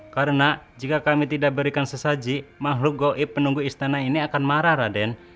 karena jika kami tidak berikan sesaji makhluk goib penunggu istana ini akan marah raden